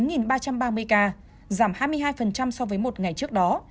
giảm hai mươi hai so với một ngày trước đó